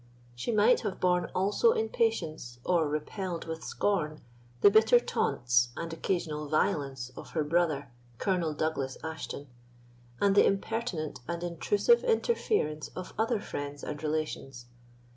She might have borne also in patience, or repelled with scorn, the bitter taunts and occasional violence of her brother, Colonel Douglas Ashton, and the impertinent and intrusive interference of other friends and relations.